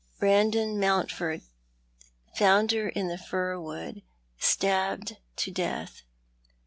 Brandon Mountford found her in the fir wood— stabbed to death.